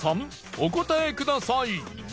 お答えください！